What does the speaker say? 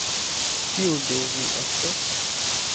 Kiu do vi estas?